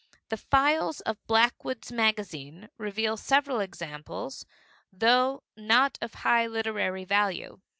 The files of Blackwood's Magazine reveal several examples, though not of high literary value.